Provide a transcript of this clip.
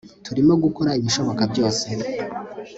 turimo gukora ibishoboka byose